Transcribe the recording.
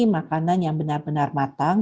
makanan yang benar benar matang